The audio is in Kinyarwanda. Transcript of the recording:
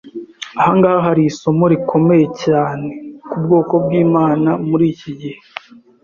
Ahangaha hari isomo rikomeye cyane ku bwoko bw’Imana muri iki gihe